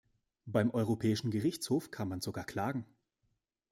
Beim Europäischen Gerichtshof kann man sogar klagen.